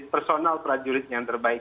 personal prajurit yang terbaik